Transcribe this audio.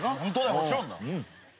もちろんだ。